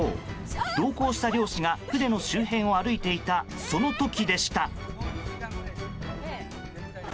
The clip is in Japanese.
同行した漁師が船の周辺を歩いていた、その時でした。